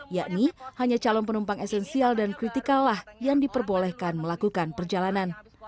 yakni hanya calon penumpang esensial dan kritikal lah yang diperbolehkan melakukan perjalanan